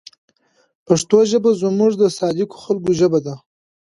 پښتو ژبه زموږ د صادقو خلکو ژبه ده.